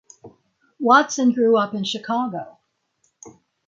Watson grew up in Chicago.